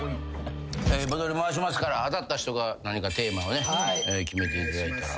ボトル回しますから当たった人が何かテーマを決めていただいたら。